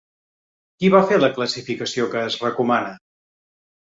Qui va fer la classificació que es recomana?